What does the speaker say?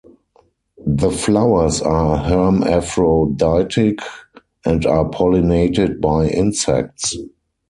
The flowers are hermaphroditic and are pollinated by insects.